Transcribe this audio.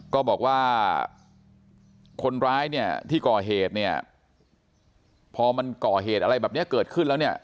ก็บอกว่าคนร้ายเนี่ยที่ก่อเหตุเนี่ยพอมันก่อเหตุอะไรแบบนี้เกิดขึ้นแล้วเนี่ย